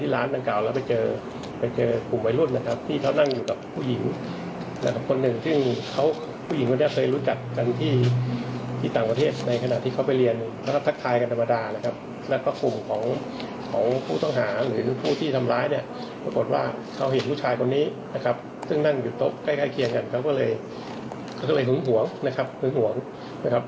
ซึ่งนั่งอยู่โต๊ะใกล้เคียงกันเขาก็เลยหวงหวงนะครับ